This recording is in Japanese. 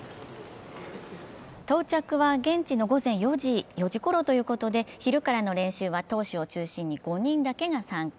到着は現地の午前４時ごろということで昼からの練習は投手を中心に５人だけが参加。